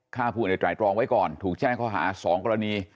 ค้าผู้ในตรายตรองไว้ก่อนถูกแจ้งเขาหา๒กรณี